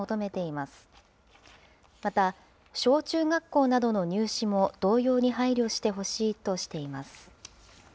また、小中学校などの入試も同様に配慮してほしいとしています。